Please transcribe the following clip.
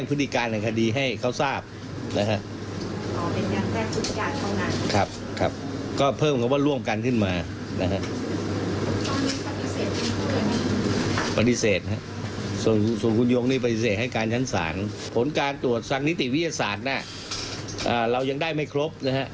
ผลการตรวจพิสูจน์ทางนิติวิทยาศาสตร์เรายังได้ไม่ครบ